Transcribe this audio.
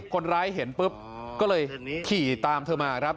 คนร้ายเห็นปุ๊บก็เลยขี่ตามเธอมาครับ